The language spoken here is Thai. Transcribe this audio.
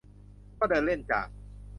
ก็เดินเล่นจาก